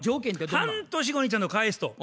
半年後にちゃんと返すと。